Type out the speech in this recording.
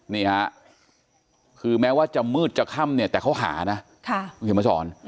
นี่ฮะคือแม้ว่าจะมืดจะค่ำเนี่ยแต่เขาหานะ